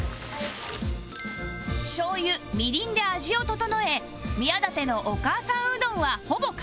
しょうゆみりんで味を調え宮舘のお母さんうどんはほぼ完成